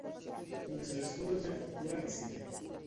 Nuestro escudo es de factura reciente.